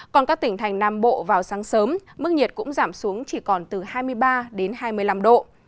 còn các tỉnh thành nam bộ vào sáng sớm mức nhiệt cũng giảm xuống chỉ còn từ hai mươi ba đến hai mươi năm độ